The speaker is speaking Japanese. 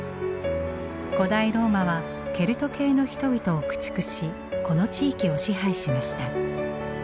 古代ローマはケルト系の人々を駆逐しこの地域を支配しました。